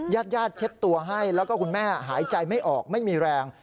ญาติญาติเช็ดตัวให้แล้วก็คุณแม่หายใจไม่ออกไม่มีแรง